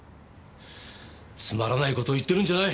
つまらない事を言ってるんじゃない！